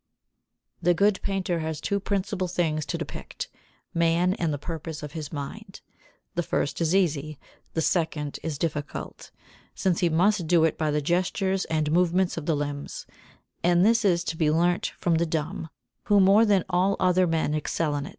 73. The good painter has two principal things to depict: man and the purpose of his mind. The first is easy, the second is difficult, since he must do it by the gestures and movements of the limbs, and this is to be learnt from the dumb, who more than all other men excel in it.